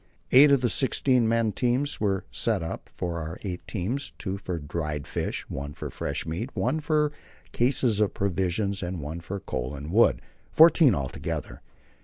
Eight of the sixteen man tents were set up for our eight teams, two for dried fish, one for fresh meat, one for cases of provisions, and one for coal and wood fourteen altogether.